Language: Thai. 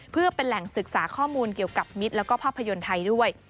เพื่อเป็นแหล่งศึกษาข้อมูลเกี่ยวกับมิตรแล้วก็ภาพยนตร์ไทยด้วย